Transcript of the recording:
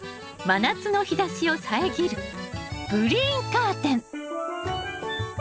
真夏の日ざしを遮るグリーンカーテン！